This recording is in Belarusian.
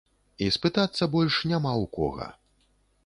І спытацца больш няма ў кога.